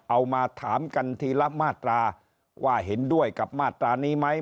เอามาถามกันทีละมาตราว่าเห็นด้วยกับมาตรานี้ไหม